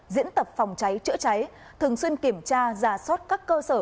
diễn tập phòng cháy chữa cháy thường xuyên kiểm tra giả soát các cơ sở